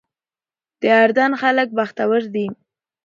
د اردن خلک بختور دي.